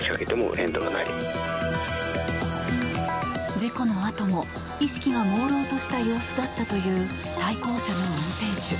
事故のあとも、意識がもうろうとした様子だったという対向車の運転手。